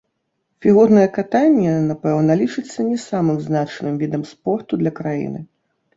Фігурнае катанне, напэўна, лічыцца не самым значным відам спорту для краіны.